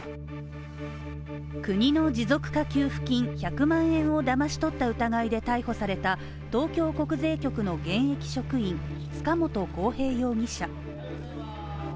国の持続化給付金１００万円をだまし取った疑いで逮捕された東京国税局の現役職員塚本晃平容疑者。